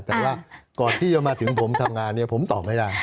แต่ว่าก่อนที่จะมาถึงผมทำงานเนี่ยผมตอบไม่ได้